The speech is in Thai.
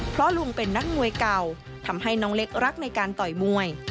เพราะลุงเป็นนักมวยเก่าทำให้น้องเล็กรักในการต่อยมวย